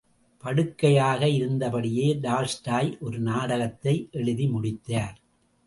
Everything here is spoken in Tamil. படுக்கையாக இருந்தபடியே டால்ஸ்டாய் ஒரு நாடகத்தை எழுதி முடித்தார்.